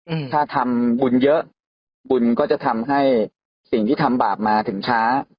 อืมถ้าทำบุญเยอะบุญก็จะทำให้สิ่งที่ทำบาปมาถึงช้า